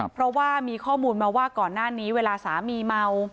เพราะว่ามีข้อมูลมาว่าก่อนหน้านี้เวลาสามีเมา